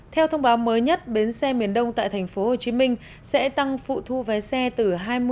theo thông báo mới nhất bến xe miền đông tại tp hcm sẽ tăng phụ thu vé xe từ hai mươi